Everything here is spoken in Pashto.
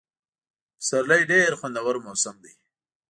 پسرلی ډېر خوندور موسم دی.